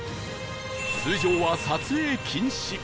通常は撮影禁止